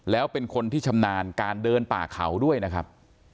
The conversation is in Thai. แล้วเป็นคนที่ชำนาญการเดินป่าเขาด้วยนะครับ